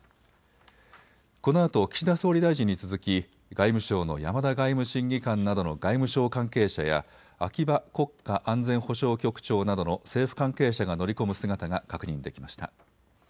このあと岸田総理大臣に続き外務省の山田外務審議官などの外務省関係者や秋葉国家安全保障局長などの政府関係者が乗り込む姿が確認できました。